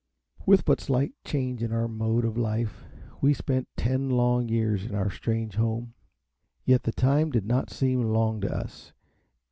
With but slight change in our mode of life, we spent ten long years in our strange home. Yet the time did not seem long to us.